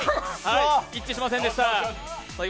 一致しませんでした。